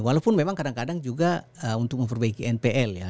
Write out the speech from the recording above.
walaupun memang kadang kadang juga untuk memperbaiki npl ya